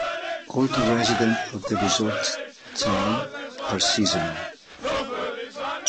All residents of the resort town are seasonal.